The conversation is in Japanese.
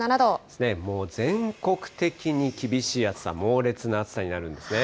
ですね、全国的に厳しい暑さ、猛烈な暑さになるんですね。